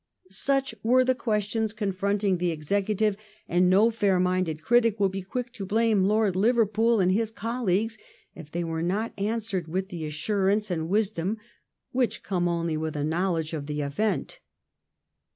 Such were the questions confront ing the Executive, and no fair minded critic will be quick to blame Lord Liverpool and his colleagues if they were not answered with the assurance and wisdom which come only from a knowledge of the event.